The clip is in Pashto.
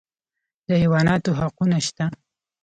د حیواناتو حقونه شته